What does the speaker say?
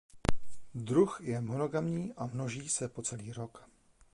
Druh je monogamní a množí se po celý rok.